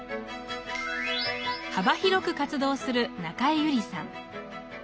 幅広く活動する中江有里さん。